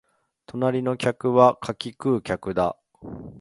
隣の客は柿食う客だ